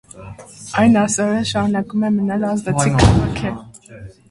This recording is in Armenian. Այն այսօր էլ շարունակում է մնալ ազդեցիկ քաղաք է։